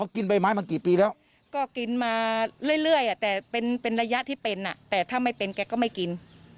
แต่เป็นระยะที่เป็นน่ะแต่ถ้าไม่เป็นแกก็ไม่กิน